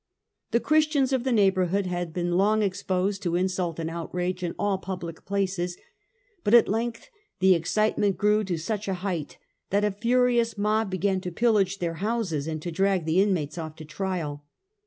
The Christians of the neighbourhood had been long exposed to insult and outrage in all public places ; but at length the excitement grew to such a height that a furious mob began to pillage their houses and to drag the inmates off to trial.